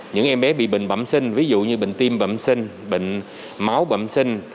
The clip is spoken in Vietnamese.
những em bé bị bệnh bẩm sinh ví dụ như bệnh tim bẩm sinh bệnh máu bẩm sinh